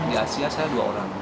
di asia saya dua orang